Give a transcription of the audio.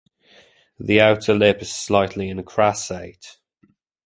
The outer lip is slightly incrassate.